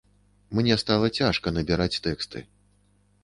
Мне стала цяжка набіраць тэксты.